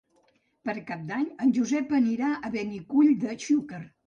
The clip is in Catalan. Per Cap d'Any en Josep anirà a Benicull de Xúquer.